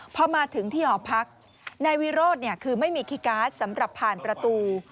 พอมาถึงที่หอพักนายวิโรธคือไม่มีคีย์การ์ดสำหรับผ่านประตู